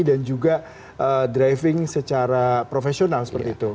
dan juga driving secara profesional seperti itu